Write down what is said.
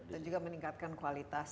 dan juga meningkatkan kualitas